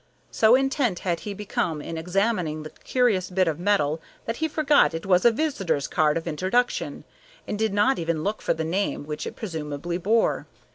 So intent had he become in examining the curious bit of metal that he forgot it was a visitor's card of introduction, and did not even look for the name which it presumably bore.